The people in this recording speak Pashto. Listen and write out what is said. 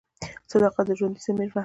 صداقت د ژوندي ضمیر نښه ده.